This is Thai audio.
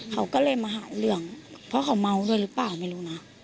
เขาก็เลยมาหาเรื่องเพราะเขาเมาด้วยหรือเปล่าไม่รู้นะ